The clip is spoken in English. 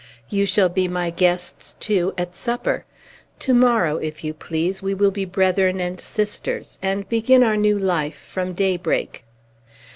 You shall be my guests, too, at supper. Tomorrow, if you please, we will be brethren and sisters, and begin our new life from daybreak."